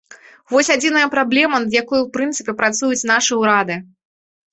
Вось адзіная праблема, над якой у прынцыпе працуюць нашы ўрады.